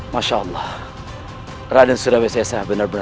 masya allah raden surabaya saya benar benar tega